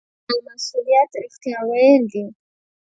د خبریال مسوولیت رښتیا ویل دي.